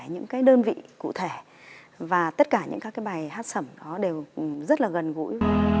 những đơn vị cụ thể và tất cả những bài hát sầm đó đều rất là gần gũi